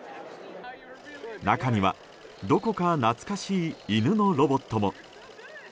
中には、どこか懐かしい犬のロボットも。